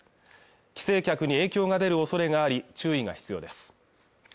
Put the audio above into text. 帰省客に影響が出るおそれがあり注意が必要です